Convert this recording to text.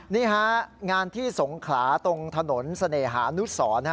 นี่ฮะงานที่สงขลาตรงถนนเสน่หานุสร